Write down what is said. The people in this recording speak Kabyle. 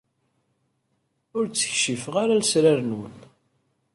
Ur d-ttkeccifeɣ ara lesrar-nwen.